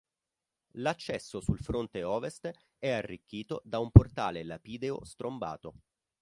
L'accesso sul fronte ovest è arricchito da un portale lapideo strombato.